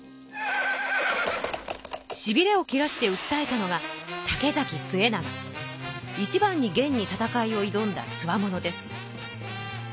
しびれを切らしてうったえたのがいちばんに元に戦いをいどんだつわものです。